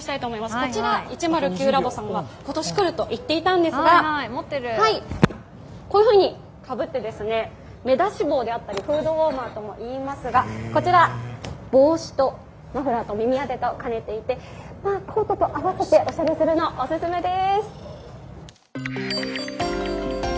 こちら１０９ｌａｂ．さんが今年くると言っていたんですがこのようにかぶって、目出し帽であったり、フードウォーマーともいいますが帽子とマフラーと耳当てと兼ねていてコートと合わせておしゃれするのがおすすめです。